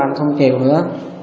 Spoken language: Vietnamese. anh không chịu nữa